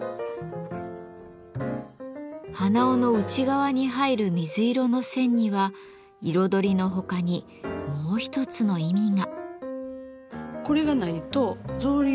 鼻緒の内側に入る水色の線には彩りのほかにもう一つの意味が。